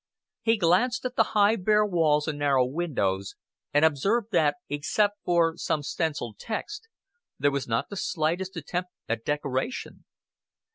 He glanced at the high bare walls and narrow windows, and observed that, except for some stenciled texts, there was not the slightest attempt at decoration.